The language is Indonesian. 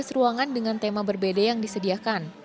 ada lima belas ruangan dengan tema berbeda yang disediakan